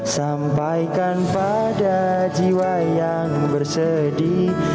sampaikan pada jiwa yang bersedih